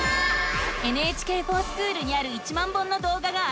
「ＮＨＫｆｏｒＳｃｈｏｏｌ」にある１万本のどうががあらわれたよ。